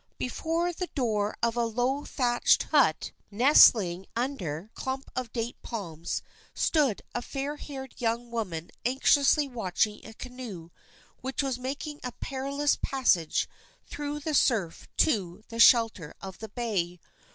Before the door of a low, thatched hut, nestling under a clump of date palms, stood a fair haired young woman anxiously watching a canoe which was making a perilous passage through the surf to the shelter of the bay.